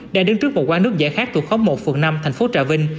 đang đứng trước một quán nước giải khác thuộc khóm một phường năm thành phố trà vinh